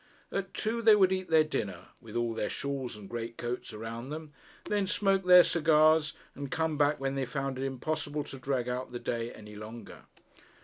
At two they would eat their dinner with all their shawls and greatcoats around them then smoke their cigars, and come back when they found it impossible to drag out the day any longer.